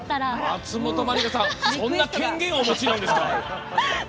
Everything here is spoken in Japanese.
松本まりかさんそんな権限をお持ちなんですか！？